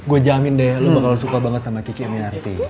gua jamin deh lu bakal suka banget sama kiki aminarti